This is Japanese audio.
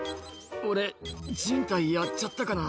「俺靱帯やっちゃったかな」